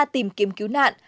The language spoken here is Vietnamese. tìm kiếm cứu nạn